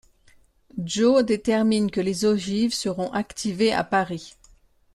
Joe déterminent que les ogives seront activées à Paris.